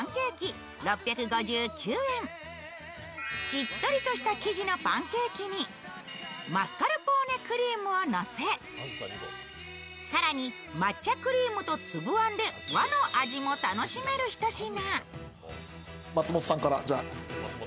しっとりとした生地のパンケーキにマスカルポーネクリームをのせ更に抹茶クリームとつぶあんで和の味も楽しめるひと品。